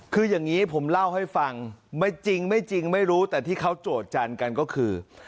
คืออย่างนี้ผมเล่าให้ฟังไม่จริงไม่จริงไม่รู้แต่ที่เขาโจทย์กันก็คือ